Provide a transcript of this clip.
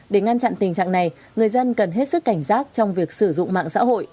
để ngăn chặn tình trạng này người dân cần hết sức cảnh giác trong việc sử dụng mạng xã hội